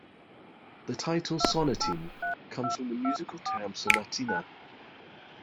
The title "Sonatine" comes from the musical term sonatina.